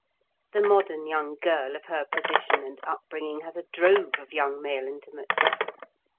The modern young girl of her position and upbringing has a drove of young male intimates.